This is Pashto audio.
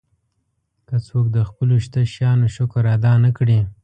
که څوک د خپلو شته شیانو شکر ادا نه کړي.